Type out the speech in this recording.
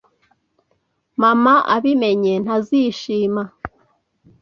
Mama abimenye, ntazishima.